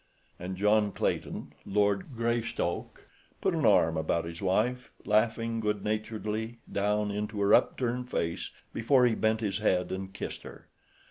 '" and John Clayton, Lord Greystoke, put an arm about his wife, laughing good naturedly down into her upturned face before he bent his head and kissed her.